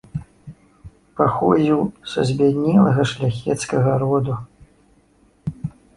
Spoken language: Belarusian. Паходзіў са збяднелага шляхецкага роду.